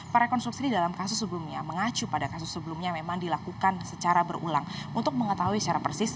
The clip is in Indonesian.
perrekonstruksi dalam kasus sebelumnya mengacu pada kasus sebelumnya memang dilakukan secara berulang untuk mengetahui secara persis